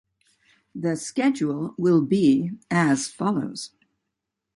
The schedule will be follows.